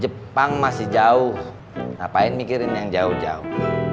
jepang masih jauh ngapain mikirin yang jauh jauh